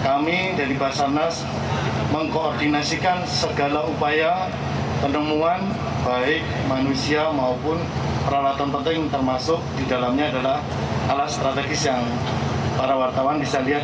kami dari basarnas mengkoordinasikan segala upaya penemuan baik manusia maupun peralatan penting termasuk di dalamnya adalah alat strategis yang para wartawan bisa lihat